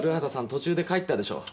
途中で帰ったでしょう。